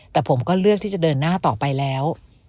แต่ผมก็เลือกที่จะเดินหน้าต่อไปแล้ว